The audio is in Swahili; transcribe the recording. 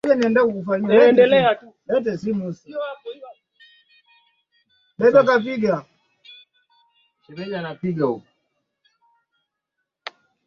kuondolewa madarakani kwa utawala wa kanali mohamar gaddafi